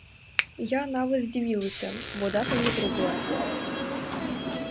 Я нават здзівілася, бо дата не круглая.